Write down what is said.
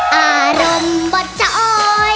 หน้าโมโฮมันหน้าโมโฮไม่ใช่อะไร